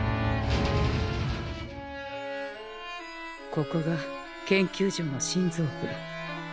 ここが研究所の心臓部。